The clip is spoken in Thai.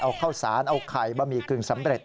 เอาข้าวสารเอาไข่บะหมี่กึ่งสำเร็จ